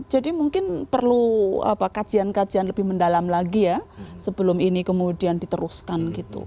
jadi mungkin perlu apa kajian kajian lebih mendalam lagi ya sebelum ini kemudian diteruskan gitu